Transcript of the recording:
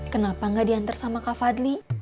kenapa gak diantar sama kak fadli